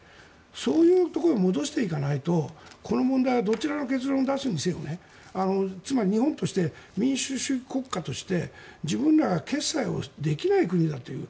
そういうところに戻していかないとこの問題はどちらの結論を出すにせよつまり日本として民主主義国家として自分らが決裁できない国だという。